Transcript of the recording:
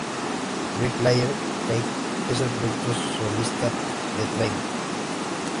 Brick Layer Cake es el proyecto solista de Trainer.